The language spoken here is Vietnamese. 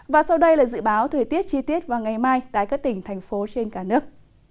và sau đây là dự báo thời tiết chi tiết vào ngày mai tại các tỉnh thành phố trên cả nước